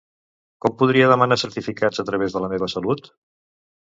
Com podria demanar certificats a través de La meva salut?